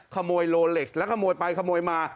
ขโมยโลเล็กซ์แล้วขโมยไปขโมยมา